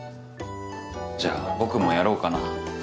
じゃあ僕もやろうかな。